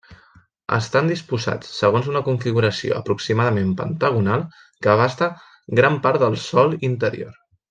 Estan disposats segons una configuració aproximadament pentagonal, que abasta gran part del sòl interior.